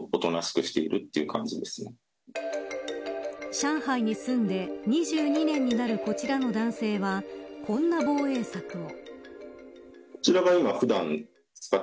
上海に住んで２２年になるこちらの男性はこんな防衛策を。